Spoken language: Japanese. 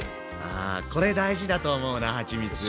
あこれ大事だと思うなはちみつ。